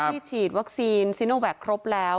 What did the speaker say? ที่ฉีดวัคซีนซินโอแว็กครบแล้ว